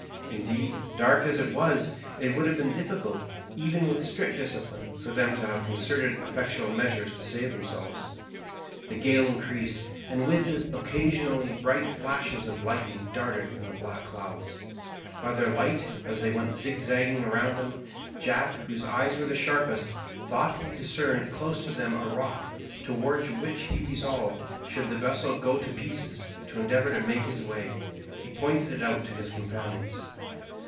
Indeed, dark as it was, it would have been difficult, even with strict discipline, for them to have concerted effectual measures to save themselves. The gale increased, and with it occasionally bright flashes of lightning darted from the black clouds. By their light, as they went zigzagging around them. Jack, whose eyes were the sharpest, thought he discerned close to them a rock, towards which he resolved, should the vessel go to pieces, to endeavour to make his way. He pointed it out to his companions.